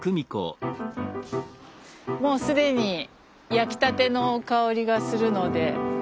もう既に焼きたての香りがするので。